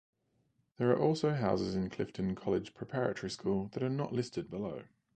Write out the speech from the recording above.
There are also houses in Clifton College Preparatory School that are not listed below.